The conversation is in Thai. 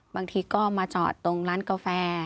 บางทีก็มาจอดตรงร้านกาแฟ